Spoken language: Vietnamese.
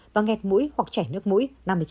và ngẹt mũi hoặc chảy nước mũi năm mươi chín